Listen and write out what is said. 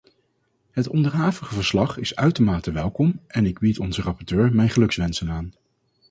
Het onderhavige verslag is uitermate welkom en ik bied onze rapporteur mijn gelukwensen aan.